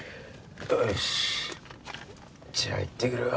よしじゃあ行ってくるわ。